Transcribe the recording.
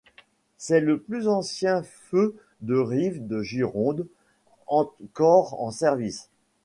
C'est le plus ancien feu de rive de Gironde encore en service.